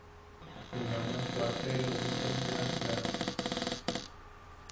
Junaman kuarteleu, itom yajak bea...